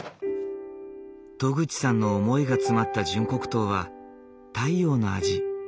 渡久地さんの思いが詰まった純黒糖は太陽の味。